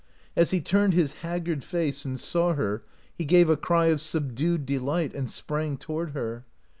As he turned his haggard face and saw her he gave a cry of subdued delight and sprang toward her.